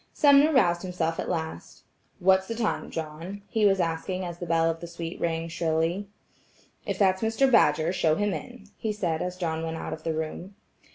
Sumner roused himself at last: "What's the time, John?" he was asking as the bell of the suite rang shrilly. "If that's Mr. Badger, show him in," he said as John went out of the room.